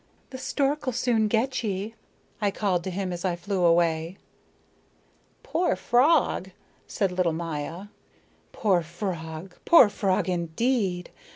'The stork'll soon get ye,' I called to him as I flew away." "Poor frog!" said little Maya. "Poor frog! Poor frog indeed!